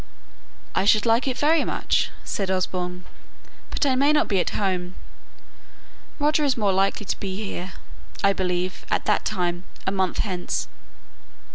"I should like it very much," said Osborne; "but I may not be at home. Roger is more likely to be here, I believe, at that time a month hence."